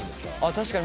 確かに。